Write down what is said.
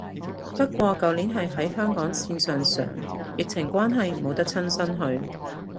不過舊年係喺香港線上上，疫情關係冇得親身去